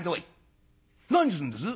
「何すんです？」。